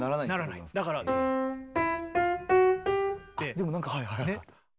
でもなんかはいはい。